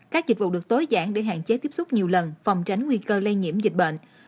các dịch vụ được tối giản để hạn chế tiếp xúc nhiều lần phòng tránh nguy cơ lây nhiễm dịch bệnh